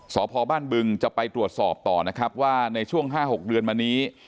สพบ้านบึงจะไปตรวจสอบต่อนะครับว่าในช่วง๕๖เดือนมานี้